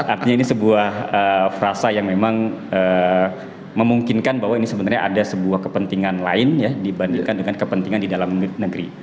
artinya ini sebuah frasa yang memang memungkinkan bahwa ini sebenarnya ada sebuah kepentingan lain dibandingkan dengan kepentingan di dalam negeri